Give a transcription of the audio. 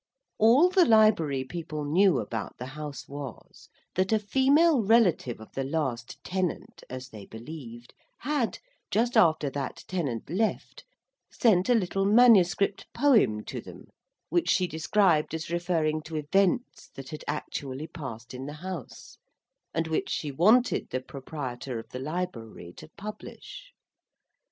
All the Library people knew about the House was, that a female relative of the last tenant, as they believed, had, just after that tenant left, sent a little manuscript poem to them which she described as referring to events that had actually passed in the House; and which she wanted the proprietor of the Library to publish.